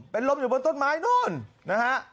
เป็นลมอยู่บนต้นไม้นู่นนะฮะ